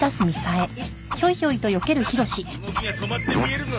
ハハッ動きが止まって見えるぞ！